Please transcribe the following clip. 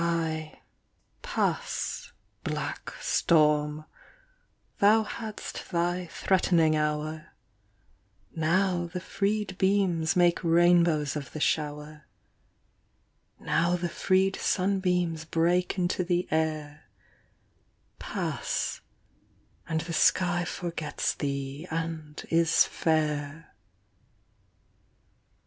Aye, pass, black storm, thou hadst thy threatening hour; Now the freed beams make rainbows of the shower: Now the freed sunbeams break into the air ; Pass, and the sky forgets thee and is fair.